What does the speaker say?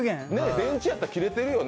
電池やったら切れてるよね。